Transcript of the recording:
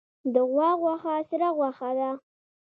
د غوا غوښه سره غوښه ده